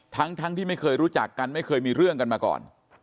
ทั้งที่ไม่เคยรู้จักกันไม่เคยมีเรื่องกันมาก่อน